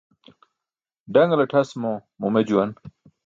Ḍaṅltʰas mo mume juwan